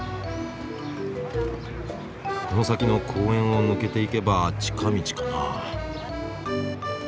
この先の公園を抜けていけば近道かな。